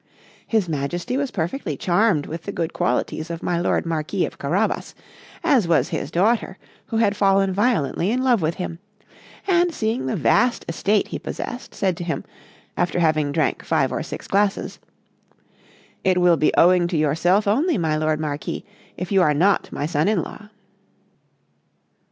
His Majesty was perfectly charmed with the good qualities of my lord Marquis of Carabas, as was his daughter who was fallen violently in love with him; and seeing the vast estate he possessed, said to him, after having drank five or six glasses: "It will be owing to yourself only, my lord Marquis, if you are not my son in law."